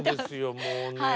もうね。